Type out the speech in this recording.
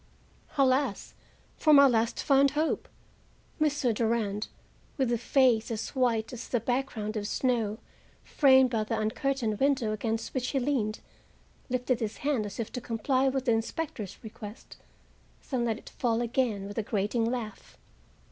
Alas, for my last fond hope! Mr. Durand, with a face as white as the background of snow framed by the uncurtained window against which he leaned, lifted his hand as if to comply with the inspector's request, then let it fall again with a grating laugh.